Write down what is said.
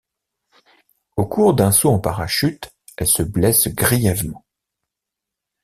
Au cours d'un saut en parachute, elle se blesse grièvement.